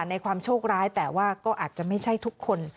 มีความโชคร้ายแต่บาดจะไม่ใช่ทุกคน